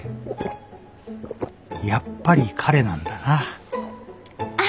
やっぱり彼なんだなあ！